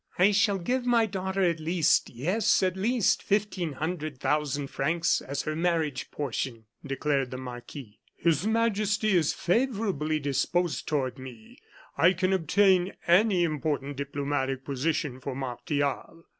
"I shall give my daughter at least yes, at least fifteen hundred thousand francs as her marriage portion," declared the marquis. "His Majesty is favorably disposed toward me. I can obtain any important diplomatic position for Martial."